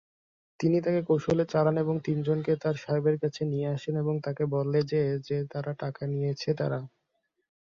তিনি তাকে কৌশলে চালান এবং তিনজনকে তাঁর সাহেবের কাছে নিয়ে আসেন এবং তাকে বলে যে যে তারা টাকা নিয়েছে তারা।